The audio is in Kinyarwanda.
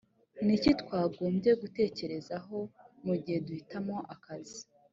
ni iki twagombye gutekerezaho mu gihe duhitamo akazi